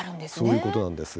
そういうことなんです。